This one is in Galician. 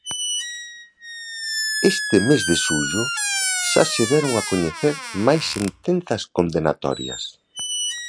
Este mes de xullo xa se deron a coñecer máis sentenzas condenatorias.